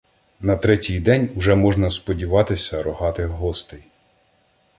На третій день уже можна сподіватися "рогатих" гостей.